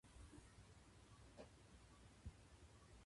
挨拶は大切だ。